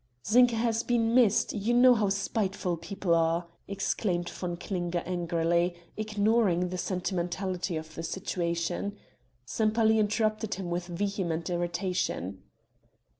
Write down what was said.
"Zinka has been missed, you know how spiteful people are!" exclaimed von Klinger angrily, ignoring the sentimentality of the situation. Sempaly interrupted him with vehement irritation.